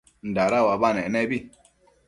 dada uabanec nebi